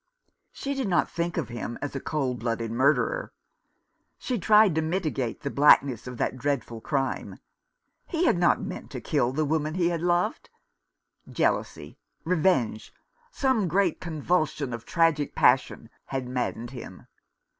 She did not think of him as a cold blooded murderer. She tried to mitigate the blackness of that dreadful crime. He had not meant to kill the woman he had loved. Jealousy, revenge, some great convulsion of tragic passion, had maddened him.